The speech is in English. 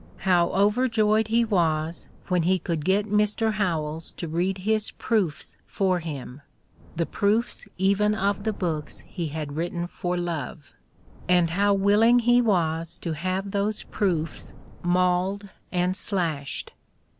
How overjoyed he l66 The Ordeal of Mark Twain •was when he could get Mr. Howells to read his proofs for him, the proofs even of the books he had written for love ! And how willing he was to have those proofs mauled and slashed!